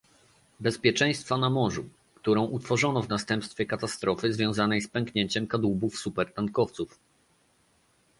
Bezpieczeństwa na Morzu - którą utworzono w następstwie katastrofy związanej z pęknięciem kadłubów supertankowców